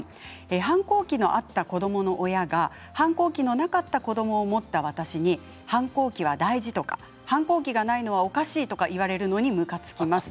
反抗期があった子どもの親が反抗期がなかった子どもを持った私に反抗期が大事とか反抗期がないのもおかしいとか言われるのに、むかつきます。